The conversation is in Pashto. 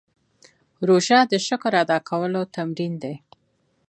روژه د شکر ادا کولو تمرین دی.